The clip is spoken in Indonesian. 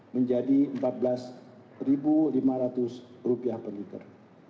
menjadi rp empat belas lima ratus per liter